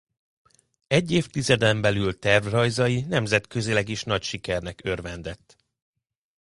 Egy évtizeden belül tervrajzai nemzetközileg is nagy sikernek örvendett.